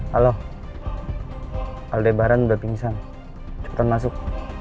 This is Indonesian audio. halo aldebaran udah pingsan cepetan masuk